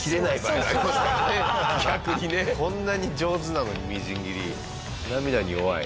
こんなに上手なのにみじん切り涙に弱い？